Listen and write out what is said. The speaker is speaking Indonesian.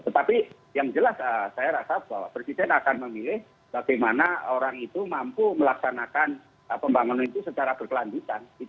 tetapi yang jelas saya rasa bahwa presiden akan memilih bagaimana orang itu mampu melaksanakan pembangunan itu secara berkelanjutan